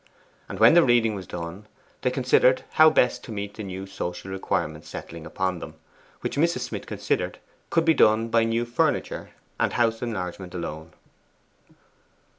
And when the reading was done, they considered how best to meet the new social requirements settling upon them, which Mrs. Smith considered could be done by new furniture and house enlargement alone.